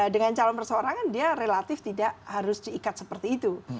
dengan calon perseorangan dia relatif tidak harus diikat seperti itu